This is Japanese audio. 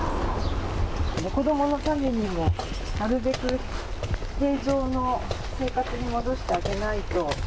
子どものためにも、なるべく正常の生活に戻してあげないと。